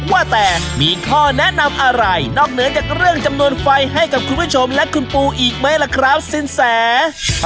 ว่าแต่มีข้อแนะนำอะไรนอกเหนือจากเรื่องจำนวนไฟให้กับคุณผู้ชมและคุณปูอีกไหมล่ะครับสินแส